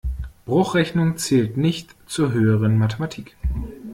Bruchrechnung zählt nicht zur höheren Mathematik.